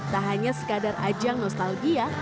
tak hanya sekadar ajang nostalgia